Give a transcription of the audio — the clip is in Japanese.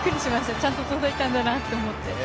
ちゃんと届いたんだなぁと思って。